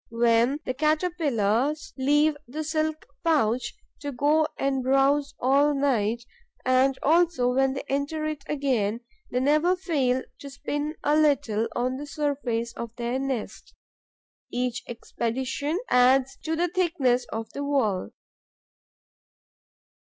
When the caterpillars leave the silk pouch, to go and browse at night, and also when they enter it again, they never fail to spin a little on the surface of their nest. Each expedition adds to the thickness of the wall.